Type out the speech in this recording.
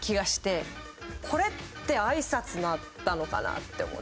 これって挨拶だったのかなって思って。